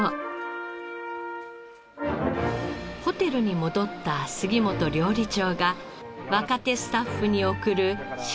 ホテルに戻った杉本料理長が若手スタッフに送る新作を作ります。